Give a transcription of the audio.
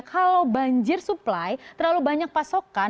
kalau banjir supply terlalu banyak pasokan